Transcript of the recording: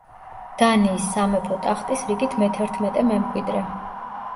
დანიის სამეფო ტახტის რიგით მეთერთმეტე მემკვიდრე.